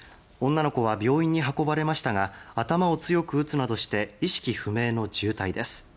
女の子は病院に運ばれましたが頭を強く打つなどして意識不明の重体です。